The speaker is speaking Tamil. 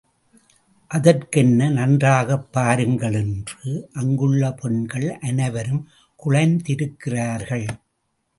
அதற்கென்ன நன்றாகப் பாருங்கள் என்று அங்குள்ள பெண்கள் அனைவரும் குழைந்திருக்கிறார்கள்.